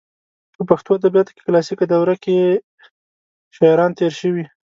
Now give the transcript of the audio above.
په پښتو ادبیاتو کلاسیکه دوره کې شاعران تېر شوي.